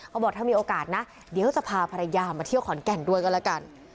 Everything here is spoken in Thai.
บอกถ้ามีโอกาสนะเดี๋ยวจะพาภรรยามาเที่ยวขอนแก่นด้วยก็แล้วกัน